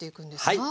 はい。